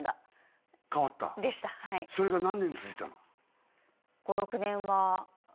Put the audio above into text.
それが何年続いたの？